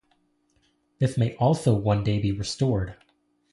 This may also one day be restored.